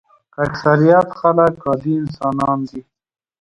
اکثریت خلک عادي انسانان دي.